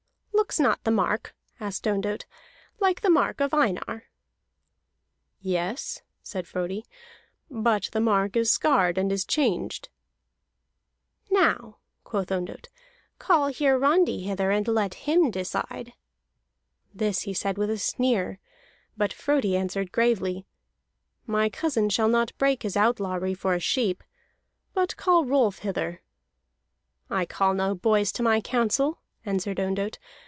"Looks not the mark," asked Ondott, "like the mark of Einar?" "Yes," said Frodi, "but the mark is scarred, and is changed." "Now," quoth Ondott, "call Hiarandi hither, and let him decide." This he said with a sneer: but Frodi answered gravely: "My cousin shall not break his outlawry for a sheep. But call Rolf hither." "I call no boys to my counsel," answered Ondott.